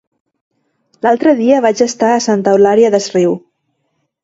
L'altre dia vaig estar a Santa Eulària des Riu.